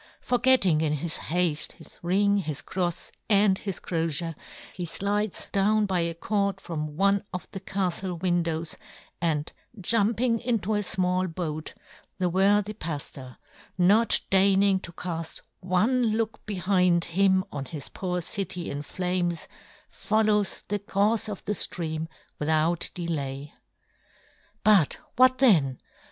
For getting, in his hafte, his ring, his crofs, and his crolier, he Hides down by a cord from one of the caftle win dows, and jumping into a fmall boat, the worthy Paftor, not deigning to caft one look behind him on his poor city in flames, follows the courfe of the ftream without delay. But what yohn Gutenberg. ys then